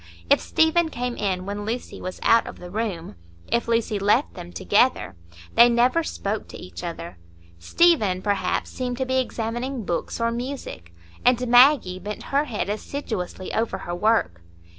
If Stephen came in when Lucy was out of the room, if Lucy left them together, they never spoke to each other; Stephen, perhaps, seemed to be examining books or music, and Maggie bent her head assiduously over her work.